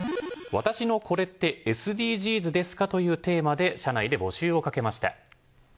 「私のこれってＳＤＧｓですか？」というテーマで社内で募集をかけました。